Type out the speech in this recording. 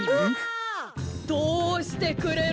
どうしてくれる！